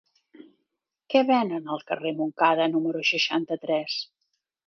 Què venen al carrer de Montcada número seixanta-tres?